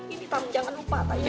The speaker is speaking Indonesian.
ini tam jangan lupa